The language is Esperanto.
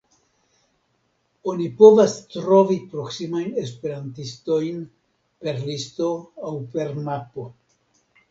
Oni povas trovi proksimajn esperantistojn per listo aŭ per mapo.